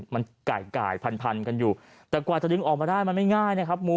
มันไก่พันพันกันอยู่แต่กว่าจะดึงออกมาได้มันไม่ง่ายนะครับ